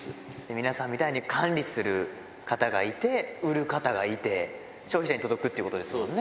皆さんみたいに管理する方がいて、売る方がいて、消費者に届くっていうことですよね。